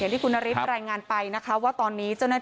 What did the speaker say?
อย่างที่คุณนฤทธิ์รายงานไปนะคะว่าตอนนี้